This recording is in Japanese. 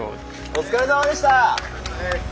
お疲れさまです！